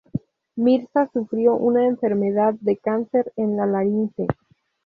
Mirza sufrió una enfermedad de cáncer en la laringe.